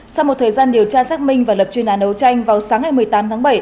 sau một thời gian điều tra xác minh và lập chuyên án đấu tranh vào sáng ngày một mươi tám tháng bảy